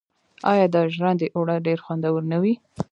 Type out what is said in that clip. آیا د ژرندې اوړه ډیر خوندور نه وي؟